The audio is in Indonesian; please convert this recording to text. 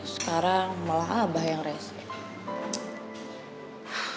sekarang malah abah yang resep